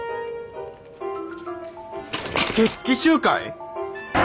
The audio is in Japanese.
決起集会？